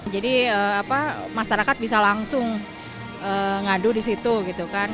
jadi apa masyarakat bisa langsung ngadu di situ gitu kan